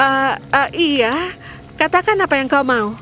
eh eh iya katakan apa yang kau mau